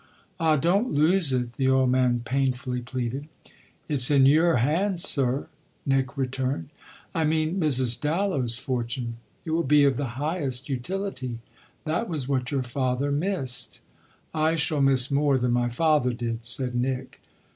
"Ah don't lose it!" the old man painfully pleaded. "It's in your hands, sir," Nick returned. "I mean Mrs. Dallow's fortune. It will be of the highest utility. That was what your father missed." "I shall miss more than my father did," said Nick.